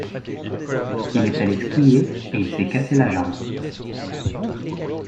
Il est allé skier et il s’est cassé la jambe.